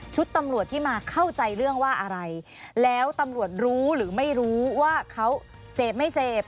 ตำรวจที่มาเข้าใจเรื่องว่าอะไรแล้วตำรวจรู้หรือไม่รู้ว่าเขาเสพไม่เสพ